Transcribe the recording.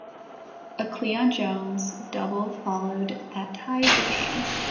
A Cleon Jones double followed that tied the game.